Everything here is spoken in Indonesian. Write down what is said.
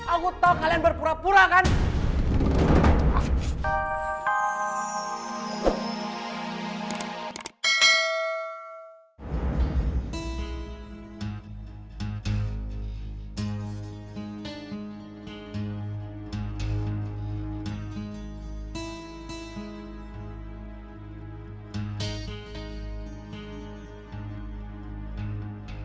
aku tau kalian berpura pura kan